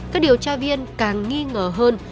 các điều tra viên càng nghi ngờ hơn